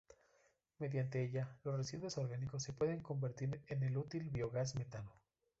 Mediante ella, los residuos orgánicos se pueden convertir en el útil biogás metano.